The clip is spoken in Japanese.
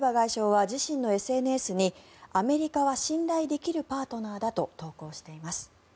その後、クレバ外相は自身のＳＮＳにアメリカは信頼できるパートナーだと投稿しています。